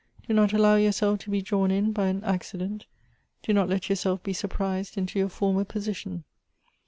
Do not allow yourself to be drawn in by an accident ; do not let yourself be surprised into your former position.